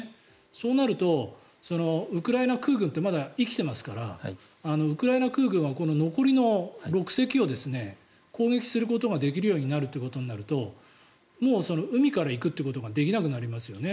そうなるとウクライナ空軍ってまだ生きてますからウクライナ空軍は残りの６隻を攻撃することができるようになるということになるともう海から行くということができなくなりますよね